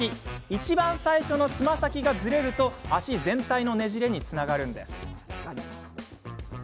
いちばん最初のつま先がズレると足全体のねじれにつながるんです。